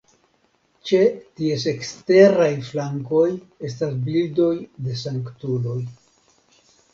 Ĉe ties eksteraj flankoj estas bildoj de sanktuloj.